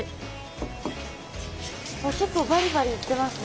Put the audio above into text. あっ結構バリバリいってますね。